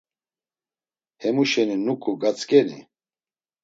Hemuşeni nuk̆u gatzk̆eni.